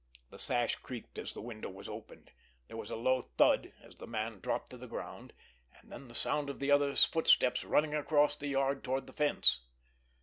The sash creaked as the window was opened. There was a low thud as the man dropped to the ground, and then the sound of the other's footsteps running across the yard toward the fence.